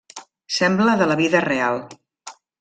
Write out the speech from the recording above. Sembla de la vida real.